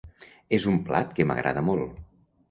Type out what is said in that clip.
És un plat que m'agrada molt.